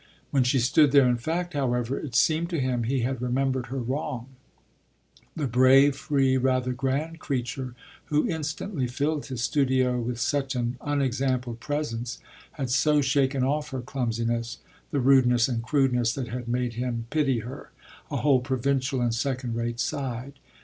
When she stood there in fact, however, it seemed to him he had remembered her wrong; the brave, free, rather grand creature who instantly filled his studio with such an unexampled presence had so shaken off her clumsiness, the rudeness and crudeness that had made him pity her, a whole provincial and "second rate" side.